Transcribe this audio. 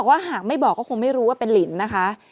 หากไม่บอกก็คงไม่รู้ว่าเป็นลินนะคะ